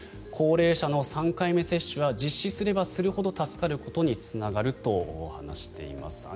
高齢者の３回目接種は実施すればするほど助かることにつながると話しています。